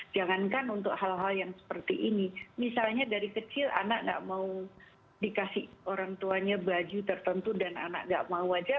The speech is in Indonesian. jangankan untuk hal hal yang seperti ini misalnya dari kecil anak nggak mau dikasih orang tuanya baju tertentu dan anak gak mau aja